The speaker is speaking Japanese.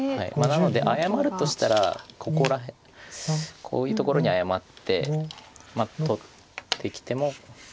なので謝るとしたらこういうところに謝って取ってきても出たりして。